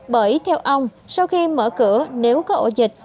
bởi theo ông sau khi mở cửa nếu có ổ dịch